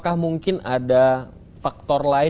kita mungkin untuk butuh lebih dari satu tim